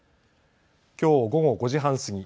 きょう午後５時半過ぎ